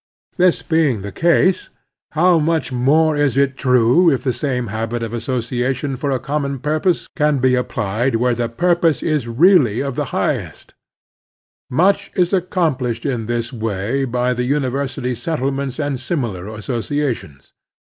This being the case, how much more is it true if the same habit of association for a common pur pose can be applied where the purpose is really of A Political Factor 83 the highest ! Much is accomplished in this way by the tiniversity settlements and similar associations.